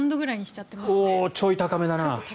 ちょい高めだな。